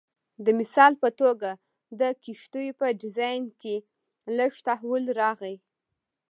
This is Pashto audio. د مثال په توګه د کښتیو په ډیزاین کې لږ تحول راغی